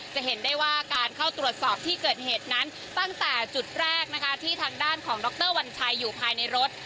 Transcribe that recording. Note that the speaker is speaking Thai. จะเห็นได้ว่าการเข้าตรวจสอบที่เกิดเหตุนั้นตั้งแต่จุดแรกนะคะที่ทางด้านของดรวัญชัยอยู่ภายในรถ